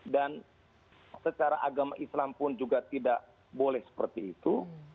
dan secara agama islam pun juga tidak boleh seperti itu